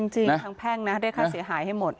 จริงทั้งแพงนะได้ค่าเสียหายให้หมด